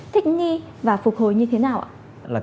thích nghi và phục hồi như thế nào ạ